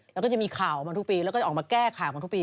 เราก็จะมีข่าวมาทุกปีและก็ออกมาแก้ข่าวทุกปี